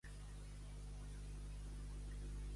El cau no el juga cap home brau.